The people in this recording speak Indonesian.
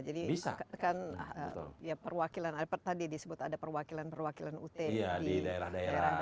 jadi kan perwakilan tadi disebut ada perwakilan perwakilan ut di daerah daerah